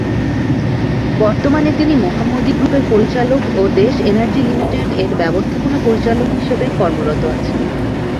বর্তমানে তিনি মোহাম্মদী গ্রুপের পরিচালক ও দেশ এনার্জি লি: এর ব্যবস্থাপনা পরিচালক হিসাবে কর্মরত আছেন।